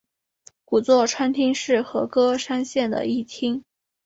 古座川町是和歌山县的一町。